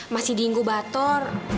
masih dinggu bator